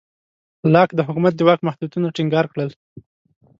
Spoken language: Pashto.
لاک د حکومت د واک محدودیتونه ټینګار کړل.